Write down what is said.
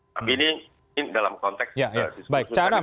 tapi ini dalam konteks diskusi tadi